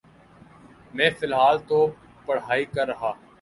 میں فلحال تو پڑہائی کر رہا۔